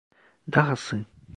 Dahası…